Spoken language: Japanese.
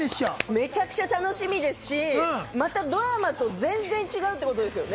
めちゃくちゃ楽しみですし、またドラマと全然違うってことですよね？